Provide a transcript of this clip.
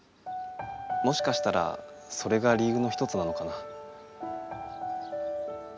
もしかしたらそれがりゆうの一つなのかな。